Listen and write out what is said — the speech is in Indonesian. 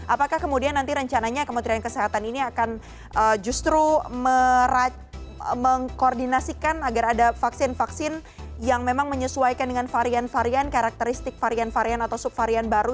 apakah kemudian nanti rencananya kementerian kesehatan ini akan justru mengkoordinasikan agar ada vaksin vaksin yang memang menyesuaikan dengan varian varian karakteristik varian varian atau subvarian baru